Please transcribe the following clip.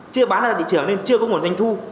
chưa bán ra thị trường nên chưa có nguồn doanh thu